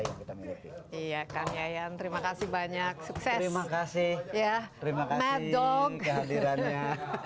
yang kita miliki iya kang yayan terima kasih banyak sukses terima kasih ya terima kasih dong hadirannya